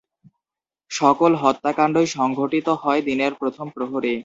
সকল হত্যাকাণ্ডই সংঘটিত হয় দিনের প্রথম প্রহরে।